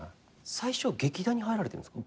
最初劇団に入られてるんですか？